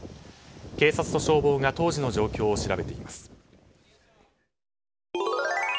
警察と消防が当時の状況を調べています。